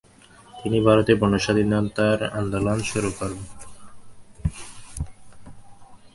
তিনি ভারতের পূর্ণ স্বাধীনতার আন্দোলন শুরু করবেন।